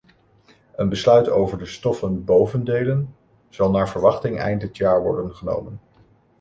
Een besluit over de stoffen bovendelen zal naar verwachting eind dit jaar worden genomen.